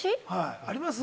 あります？